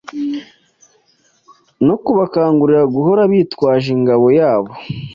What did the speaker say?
no kubakangurira guhora bitwaje ingabo yabo,